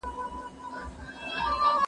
زه اجازه لرم چي مځکي ته وګورم!!